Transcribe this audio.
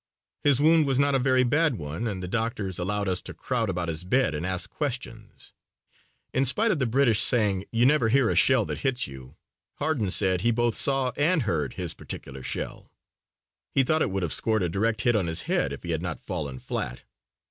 His wound was not a very bad one and the doctors allowed us to crowd about his bed and ask questions. In spite of the British saying, "you never hear a shell that hits you," Harden said he both saw and heard his particular shell. He thought it would have scored a direct hit on his head if he had not fallen flat.